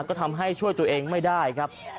ก็ทำให้ช่วยตัวเองไม่ได้ครับ